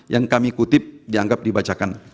yang kami kutip dianggap dibacakan